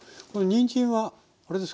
にんじんはあれですか？